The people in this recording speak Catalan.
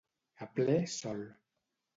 A ple sol.